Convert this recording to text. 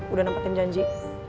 udah nampakin janji